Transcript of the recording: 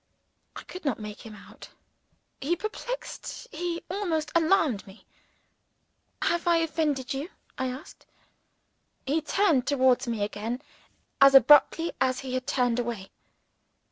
I could not make him out. He perplexed he almost alarmed me. "Have I offended you?" I asked. He turned towards me again, as abruptly as he had turned away.